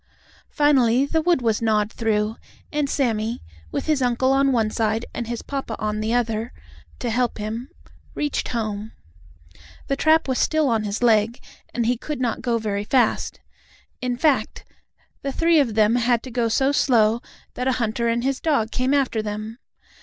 Finally the wood was gnawed through, and Sammie, with his uncle on one side and his papa on the other, to help him, reached home. The trap was still on his leg, and he could not go very fast. In fact, the three of them had to go so slow that a hunter and his dog came after them.